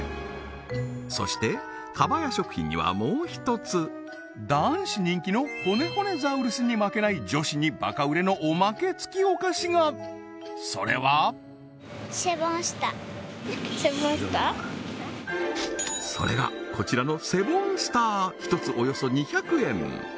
そしてカバヤ食品には男子人気のほねほねザウルスに負けない女子にバカ売れのおまけ付きお菓子がそれがこちらのセボンスター１つおよそ２００円